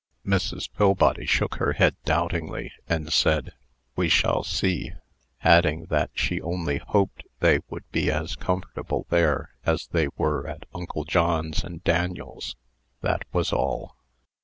Mrs. Pillbody shook her head doubtingly, and said, "We shall see," adding that she only hoped they would be as comfortable there as they were at Uncle John's and Daniel's, that was all.